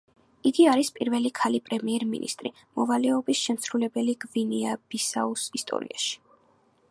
იგი არის პირველი ქალი პრემიერ-მინისტრის მოვალეობის შემსრულებელი გვინეა-ბისაუს ისტორიაში.